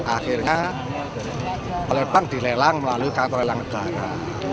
akhirnya oleh bank dilelang melalui kantor lelang negara